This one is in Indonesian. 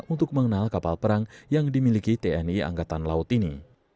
untuk mengenal kapal perang yang dimiliki tni angkatan laut ini